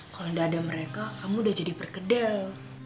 kalau nggak ada mereka kamu udah jadi perkedel